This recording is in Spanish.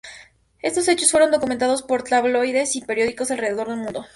Estos hechos fueron documentados por tabloides y periódicos alrededor del mundo.